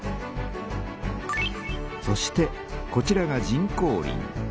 そしてこちらが人工林。